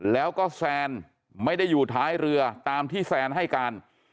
แล้วก็แซนไม่ได้อยู่ท้ายเรือตามที่แซนให้การ